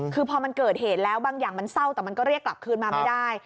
คือพอมันเกิดเหตุแล้วบางอย่างมันเศร้าแต่มันก็เรียกกลับคืนมาไม่ได้